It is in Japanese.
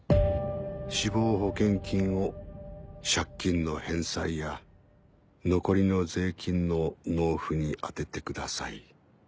「死亡保険金を借金の返済や残りの税金の納付に充ててください」。